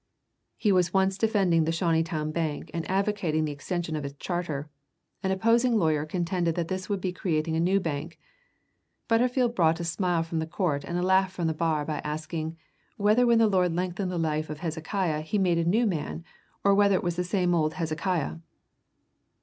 He was once defending the Shawneetown Bank and advocating the extension of its charter; an opposing lawyer contended that this would be creating a new bank. Butterfield brought a smile from the court and a laugh from the bar by asking "whether when the Lord lengthened the life of Hezekiah he made a new man, or whether it was the same old Hezekiah?"